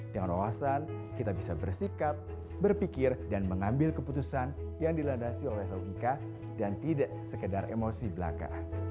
dengan wawasan kita bisa bersikap berpikir dan mengambil keputusan yang dilandasi oleh logika dan tidak sekedar emosi belaka